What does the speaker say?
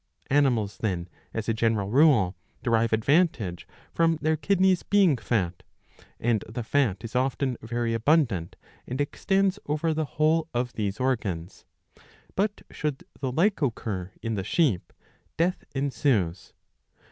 Animals then, as a general rule, derive advantage from their kidneys being fat; and the fat is often very abundant and extends over the whole of these organs. But, should the like occur in the sheep, death ensues.